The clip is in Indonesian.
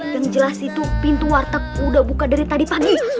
yang jelas itu pintu warteg udah buka dari tadi pagi